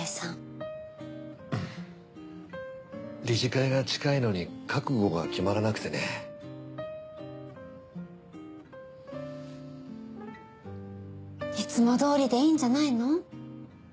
理事会が近いのに覚悟が決まらなくてね。いつもどおりでいいんじゃないの？